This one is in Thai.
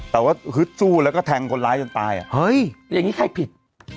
แต่ว่าฮึดสู้แล้วก็แทงคนร้ายจนตายอ่ะเฮ้ยอย่างนี้ใครผิด